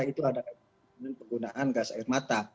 itu ada penggunaan gas air mata